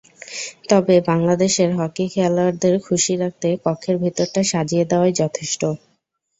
তবে বাংলাদেশের হকি খেলোয়াড়দের খুশি রাখতে কক্ষের ভেতরটা সাজিয়ে দেওয়াই যথেষ্ট।